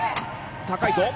高いぞ。